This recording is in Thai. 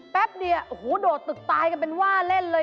แป๊บเดียวโอ้โหโดดตึกตายกันเป็นว่าเล่นเลย